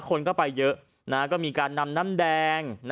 คนก็ไปเยอะก็มีการนำน้ำแดง